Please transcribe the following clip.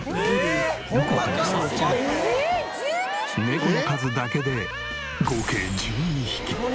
猫の数だけで合計１２匹。